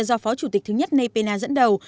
do phó chủ tịch thứ nhất nay pena dẫn đầu